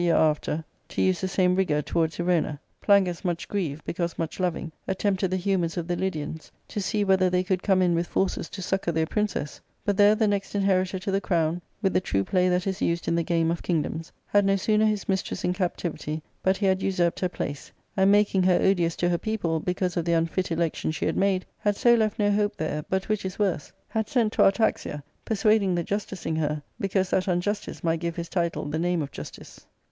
237 year after, to use the same rigour towards Erona, Plangus, much grieved, because much loving, attempted the humours of the Lydians, to see whether they could come in with forces to succour their princess ; but there the next inheritor to the crown, with the true play that is used in the game of kingdoms, had no sooner his mistress in captivity but he had usurped her place, and, making her odious to her people, because of the unfit election she had made, had so left no hope there, but, which is worse, had sent to Artaxia, persuading the jus ticing* her, because that unjustice might give his title the name of justice.